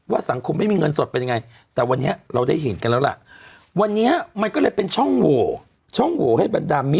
ว่าสังคมไม่มีเงินสดเป็นยังไง